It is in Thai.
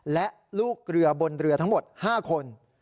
และลูกเรือบนเรือทั้งหมด๕คน